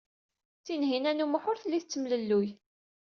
Tinhinan u Muḥ ur telli tettemlelluy.